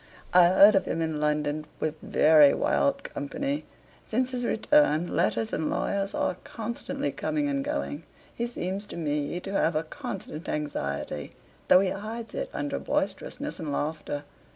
I heard of him in London with very wild company. Since his return, letters and lawyers are constantly coming and going: he seems to me to have a constant anxiety, though he hides it under boisterousness and laughter.